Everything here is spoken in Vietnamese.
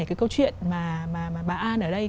cái câu chuyện mà bà an ở đây